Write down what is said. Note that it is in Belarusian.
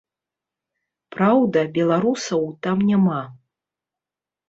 Праўда, беларусаў там няма.